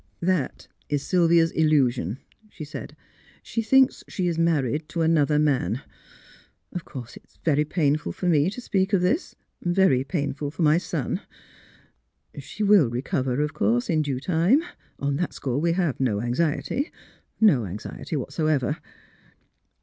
" That is Sylvia's illusion," she said. " She thinks she is married to another man. Of course it is very painful for me to speak of this — very painful for my son. She will recover, of course, in due time. On that score we have no anxiety — no anxiety whatever."